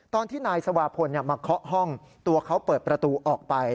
ตอนที่นายสวาพลมาเคาะห้องตัวเขาเปิดประตูออกไป